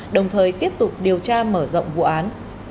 đồng thời tiếp tục điều tra mở rộng vụ án